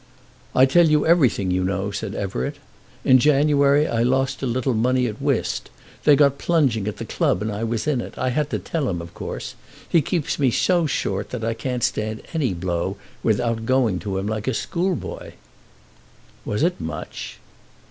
"I tell you everything, you know," said Everett. "In January I lost a little money at whist. They got plunging at the club, and I was in it. I had to tell him, of course. He keeps me so short that I can't stand any blow without going to him like a school boy." "Was it much?"